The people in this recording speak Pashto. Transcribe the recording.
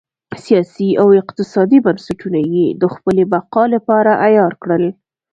سیاسي او اقتصادي بنسټونه یې د خپلې بقا لپاره عیار کړل.